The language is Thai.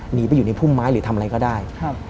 หนีไปอยู่ในพุ่มไม้หรือทำอะไรก็ได้